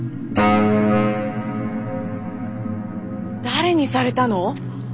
誰にされたの？